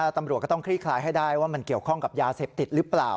ตำรวจก็ต้องคลี่คลายให้ได้ว่ามันเกี่ยวข้องกับยาเสพติดหรือเปล่า